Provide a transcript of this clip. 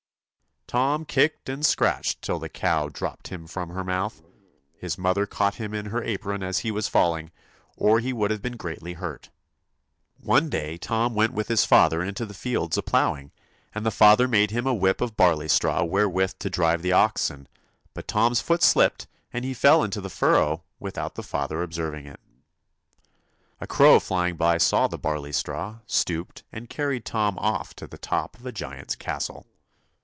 Tom kicked and scratched till the cow dropped him from her mouth. His mother caught him in her apron as he was falling, or he would have been greatly hurt. One day Tom went with his father into the fields a ploughing ; and the father made him a whip of barley straw wherewith to drive the oxen, but Tom's foot slipped and he fell into the furrow, without the father observing it A crow flying by saw the barley straw, stooped and carried Tom off to the top of a giant's castle.